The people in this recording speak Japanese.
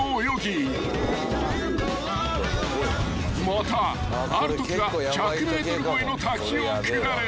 ［またあるときは１００ｍ超えの滝を下る］